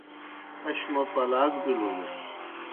اش موْ پلاک بِلونُس۔